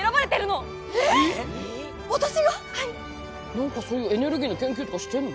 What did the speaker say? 何かそういうエネルギーの研究とかしてるの？